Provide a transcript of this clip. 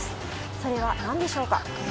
それは何でしょうか？